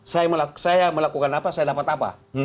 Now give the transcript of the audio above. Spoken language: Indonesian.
saya melakukan apa saya dapat apa